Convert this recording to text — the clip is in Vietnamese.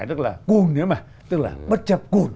tức là cùn nữa mà tức là bất chấp cùn